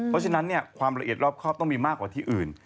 เพราะฉะนั้นความละเอียดรอบครอบต้องมีมากกว่าที่อื่น